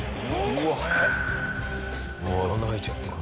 うわあ穴開いちゃってる。